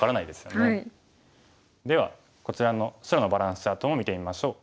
ではこちらの白のバランスチャートも見てみましょう。